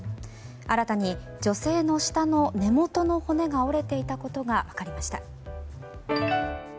新たに女性の舌の根元の骨が折れていたことが分かりました。